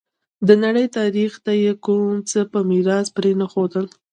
د نړۍ تاریخ ته یې کوم څه په میراث پرې نه ښودل.